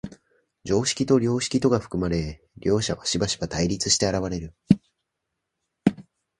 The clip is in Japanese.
常識と良識とが含まれ、両者はしばしば対立して現れる。